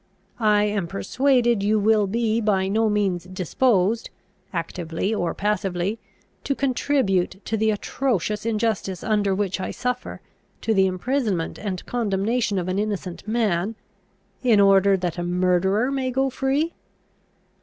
I am persuaded you will be by no means disposed, actively or passively, to contribute to the atrocious injustice under which I suffer, to the imprisonment and condemnation of an innocent man, in order that a murderer may go free.